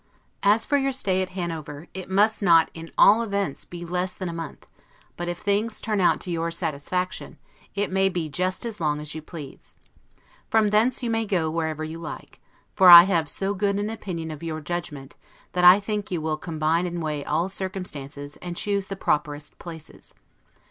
As for your stay at Hanover, it must not IN ALL EVENTS be less than a month; but if things turn out to Your SATISFACTION, it may be just as long as you please. From thence you may go wherever you like; for I have so good an opinion of your judgment, that I think you will combine and weigh all circumstances, and choose the properest places.